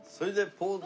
ポーズ。